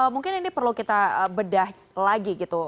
mungkin ini perlu kita bedah lagi gitu